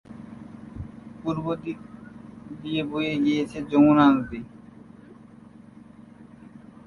আর পূর্ব দিক দিয়ে বয়ে গিয়েছে যমুনা নদী।